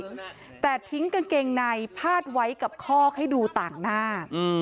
ผู้คนจะทำอะไรบ้างถ้าได้แต่ทิ้งกางเกงไหนพาดไว้กับคอกให้ดูต่างหน้า